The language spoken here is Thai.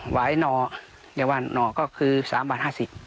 หวายโน่ก็คือ๓บาท๕๐บาท